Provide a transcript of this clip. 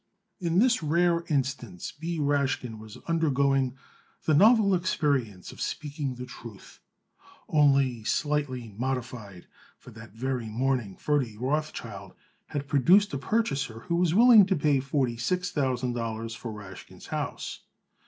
In this rare instance B. Rashkin was undergoing the novel experience of speaking the truth only slightly modified, for that very morning Ferdy Rothschild had produced a purchaser who was willing to pay forty six thousand dollars for Rashkin's house.